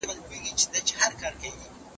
زه اوږده وخت سينه سپين کوم،